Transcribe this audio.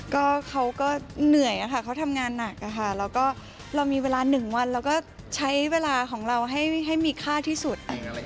ก็เขาก็เหนื่อยค่ะเขาทำงานหนักค่ะแล้วก็เรามีเวลา๑วันเราก็ใช้เวลาของเราให้มีค่าที่สุด